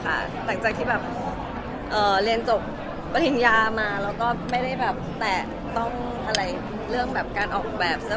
ความแรงเลยค่ะหลังจากที่เรียนจบประทงยามาแล้วก็ไม่ได้แบบแตะต้องอะไรเรื่องการออกแบบเสื้อ